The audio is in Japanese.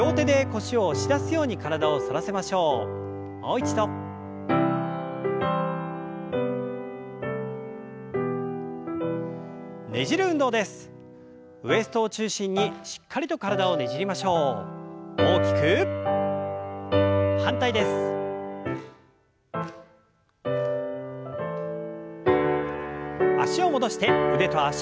脚を戻して腕と脚の運動。